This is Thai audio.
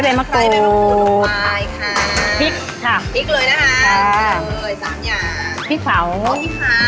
ลืมจากตะไคร้เบแลม็นมะกรู